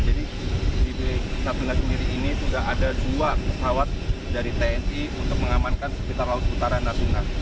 jadi di b satu sendiri ini sudah ada dua pesawat dari tni untuk mengamankan sekitar laut utara natuna